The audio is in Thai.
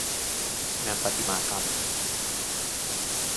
งานประติมากรรม